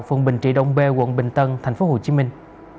phường bình trị đông bê quận bình tân thành phố hồ chí minh